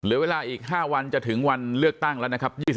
เหลือเวลาอีก๕วันจะถึงวันเลือกตั้งแล้วนะครับ